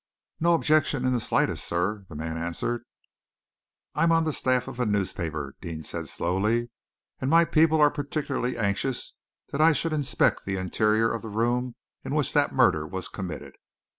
"No objection in the slightest, sir," the man answered. "I am on the staff of a newspaper," Deane said slowly, "and my people are particularly anxious that I should inspect the interior of the room in which that murder was committed.